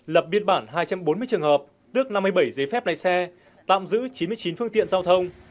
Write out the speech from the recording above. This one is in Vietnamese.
lập biên bản hai trăm bốn mươi trường hợp tước năm mươi bảy giấy phép lấy xe tạm giữ chín mươi chín phương tiện giao thông